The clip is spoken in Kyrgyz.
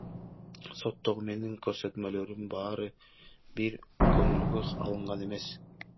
Соттогу менин көрсөтмөлөрүм баары бир көңүлгө алынган эмес.